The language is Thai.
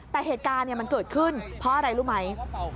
แต่เหตุการณ์มันเกิดขึ้นเพราะอะไรรู้ไหม